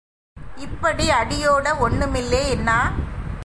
இப்படி அடியோட ஒண்னுமில்லேன்னா?